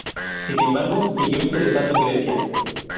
Sin embargo, siguió interesado en Grecia.